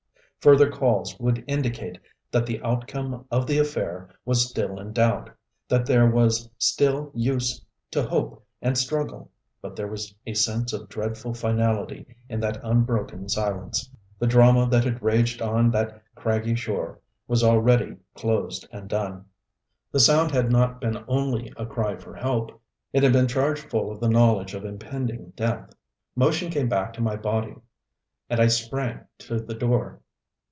Further calls would indicate that the outcome of the affair was still in doubt, that there was still use to hope and struggle. But there was a sense of dreadful finality in that unbroken silence. The drama that had raged on that craggy shore was already closed and done. The sound had not been only a cry for help. It had been charged full of the knowledge of impending death. Motion came back to my body; and I sprang to the door.